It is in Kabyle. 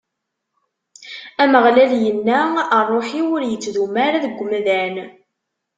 Ameɣlal inna: Ṛṛuḥ-iw ur ittdumu ara deg umdan.